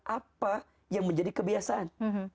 apa yang menjadi kebiasaan